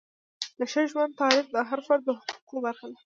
د ښه ژوند تعریف د هر فرد د حقوقو برخه ده.